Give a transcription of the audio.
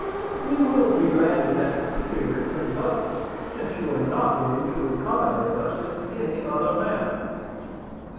We will be landed at the pier in boats, since you are not willing to accommodate us in any other manner."